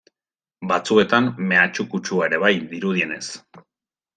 Batzuetan, mehatxu-kutsua ere bai, dirudienez.